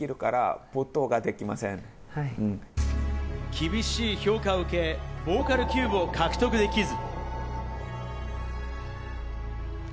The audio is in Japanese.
厳しい評価を受け、ボーカルキューブを獲得できず。